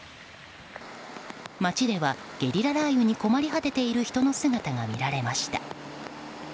街ではゲリラ雷雨に困り果てている人の姿が見られました。